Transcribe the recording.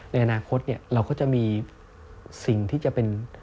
ในอนาคตเราก็จะมีสิ่งที่จะเป็น